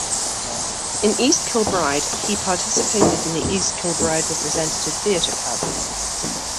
In East Kilbride, he participated in the East Kilbride Representative Theatre Club.